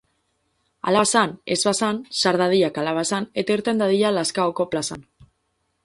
Hala bazan, ez bazan, sar dadila kalabazan eta irten dadila lazkaoko plazan.